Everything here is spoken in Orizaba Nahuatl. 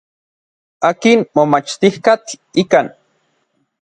Akin momachtijkatl ikan.